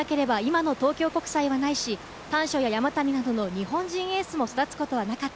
彼がいなければ今の東京国際はないし、丹所や山谷などの日本人エースも育つことはなかった。